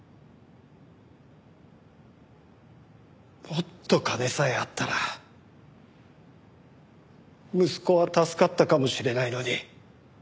もっと金さえあったら息子は助かったかもしれないのに。